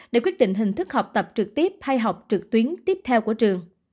để quyết định hình thức học tập trực tiếp hay học trực tuyến tiếp theo của trường